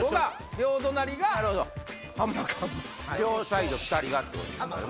両サイド２人がってことですね。